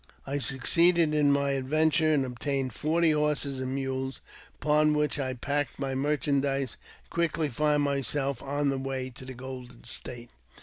I succeeded in my adventure, and obtained forty horses and mules, upon which I packed my merchandize, and quickly found myself on the way to the " golden state."